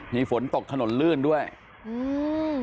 มีฝนตกถนนลื่นด้วยอืม